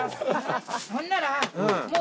ほんなら。